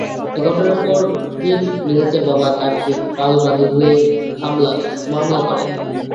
এ ঘটনার পর দিন নিহতের বাবা কার্তিক পাল বাদী হয়ে মামলা করেন।